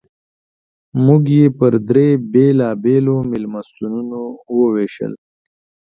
موږ یې پر درې بېلابېلو مېلمستونونو ووېشل.